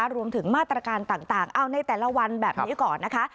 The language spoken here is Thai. รวมถึงมาตรการต่างเอาในแต่ละวันแบบนี้ก่อนนะคะ